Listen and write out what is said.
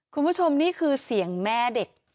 คุณผู้ชมนี่คือเสียงแม่เด็ก